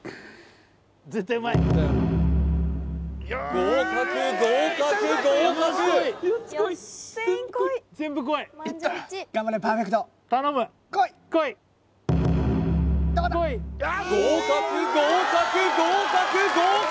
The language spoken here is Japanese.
合格合格合格合格合格合格合格！